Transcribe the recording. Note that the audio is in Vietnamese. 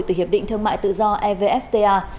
từ hiệp định thương mại tự do evfta